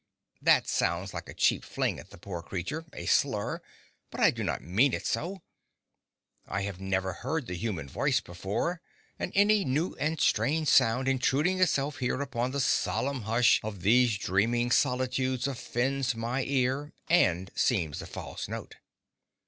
That sounds like a cheap fling at the poor creature, a slur; but I do not mean it so. I have never heard the human voice before, and any new and strange sound intruding itself here upon the solemn hush of these dreaming solitudes offends my ear and seems a false note.